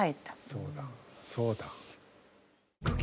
そうだそうだ。